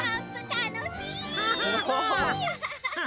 たのしい！